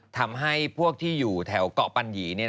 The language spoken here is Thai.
ทำให้พวกที่อยู่แถวเกาะปัญหยี